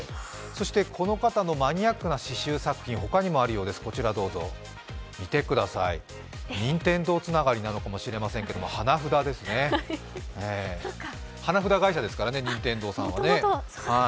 そしてこの方のマニアックな刺しゅう作品、他にもあるようです、こちらどうぞ見てください、Ｎｉｎｔｅｎｄｏつながりなのかもしれないですけど、花札ですね、もともと花札会社ですから、任天堂さんは。